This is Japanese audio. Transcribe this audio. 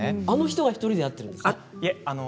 あの人が１人でやっているんですか？